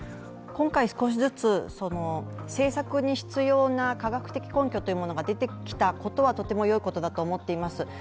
今回、少しずつ政策に必要な化学的根拠というのものが出てきたのはとてもよいことだと思っています。